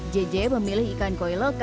c c memilih ikan koi